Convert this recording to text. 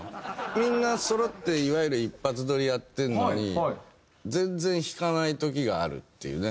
みんなそろっていわゆる一発どりやってるのに全然弾かない時があるっていうね。